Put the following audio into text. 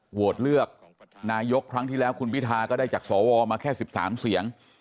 โหวตเลือกนายกครั้งที่แล้วคุณพิทาก็ได้จากสวมาแค่๑๓เสียง